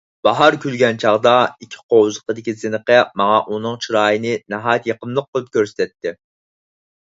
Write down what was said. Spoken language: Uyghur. باھار كۈلگەن چاغدا ئىككى قوۋزىقىدىكى زىنىقى ماڭا ئۇنىڭ چىرايىنى ناھايىتى يېقىملىق قىلىپ كۆرسىتەتتى.